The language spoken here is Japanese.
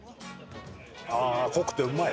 ああ濃くてうまい。